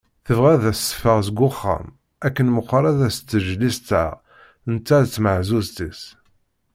Tebɣa ad as-teffeɣ seg uxxam akken meqqar ad as-teǧǧ listeɛ netta d tmeɛzuzt-is.